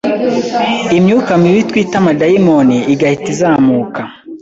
imyuka mibi twita amadayimoni igahita izamuka